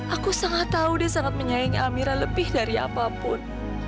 aku sangat tahu dia sangat menyayangi amira lebih dari apapun